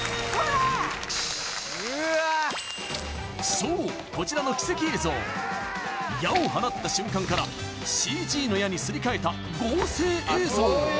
そうこちらの奇跡映像矢を放った瞬間からＣＧの矢にすり替えた合成映像